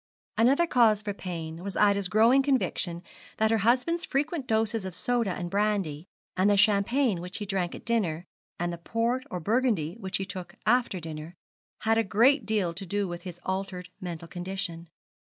Another cause for pain was Ida's growing conviction that her husband's frequent doses of soda and brandy, and the champagne which he drank at dinner, and the port or Burgundy which he took after dinner, had a great deal to do with his altered mental condition.